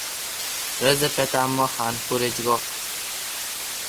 رس دا پتا می خان پور ایچ گو۔